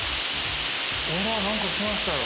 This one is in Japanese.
あら何か来ましたよ。